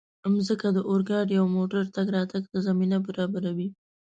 مځکه د اورګاډي او موټرو تګ راتګ ته زمینه برابروي.